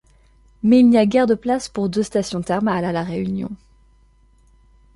Mais il n’y a guère de place pour deux stations thermales à La Réunion.